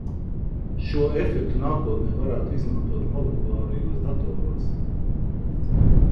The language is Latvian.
Šo efektu nākotnē varētu izmantot molekulārajos datoros.